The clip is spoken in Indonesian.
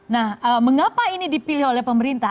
nah mengapa ini dipilih oleh pemerintah